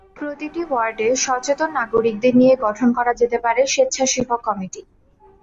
প্রতিটি ওয়ার্ডে সচেতন নাগরিকদের নিয়ে গঠন করা যেতে পারে স্বেচ্ছাসেবক কমিটি।